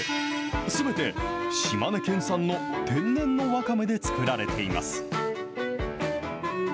すべて島根県産の天然のわかめで作られています。